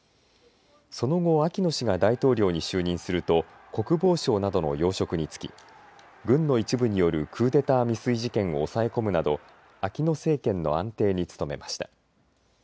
その後、アキノ氏が大統領に就任すると国防相などの要職に就き軍の一部によるクーデター未遂事件を押さえ込むなどアキノ政権の安定に努めました。